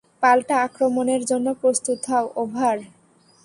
পাল্টা আক্রমণের জন্য প্রস্তুত হও, ওভার।